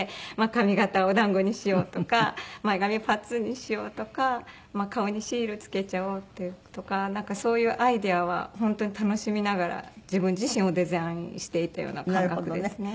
髪形をお団子にしようとか前髪ぱっつんにしようとかまあ顔にシール付けちゃおうっていうのとかなんかそういうアイデアは本当に楽しみながら自分自身をデザインしていたような感覚ですね。